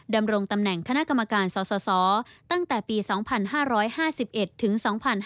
ดำรงตำแหน่งคณะกรรมการสสตั้งแต่ปี๒๕๕๑ถึง๒๕๕๙